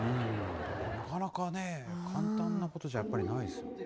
なかなかね、簡単なことじゃやっぱりないですよね。